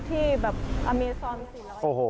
ที่แบบอเมซอน๔๐๐บาท